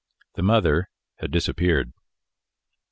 The mother had disappeared.